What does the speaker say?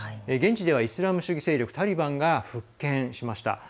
現地ではイスラム主義勢力タリバンが復権しました。